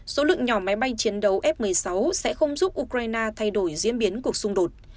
số lượng nhỏ máy bay chiến đấu f một mươi sáu sẽ không giúp ukraine thay đổi diễn biến cuộc xung đột